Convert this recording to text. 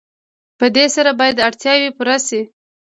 په دې سره باید اړتیاوې پوره شي.